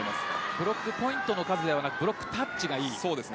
ブロックアウトの数ではなくブロックタッチがいい。